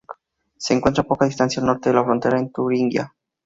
Se encuentra a poca distancia al norte de la frontera con Turingia.